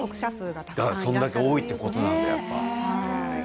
それだけ多いということなんですね。